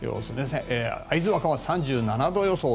会津若松、３７度予想。